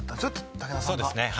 武田さん。